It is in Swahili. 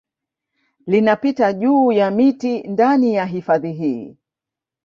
Linapita juu ya miti ndani ya hifadhi hii